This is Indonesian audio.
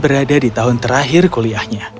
berada di tahun terakhir kuliahnya